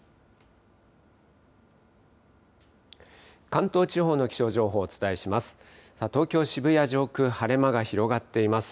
関東地方の気象情報をお伝えします。